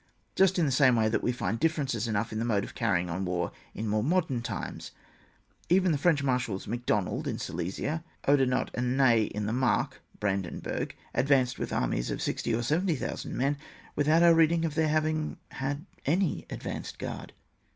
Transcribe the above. Just in the same way we find differences enough in the mode of carrying on war in more modem times. Even the French Mar shals Macdonald in Silesia, Oudinot and Ney in the Mark (Brandenburg), ad vanced with armies of sixty or seventy thousand men, without our reading of their having had any advanced guard.